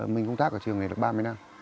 mình công tác ở trường này được ba mươi năm